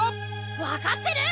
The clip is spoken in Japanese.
わかってる！